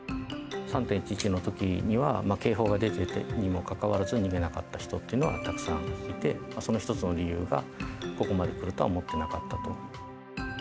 ３・１１のときには、警報が出ていたにもかかわらず、逃げなかった人っていうのがたくさんいて、その一つの理由が、ここまで来るとは思ってなかったと。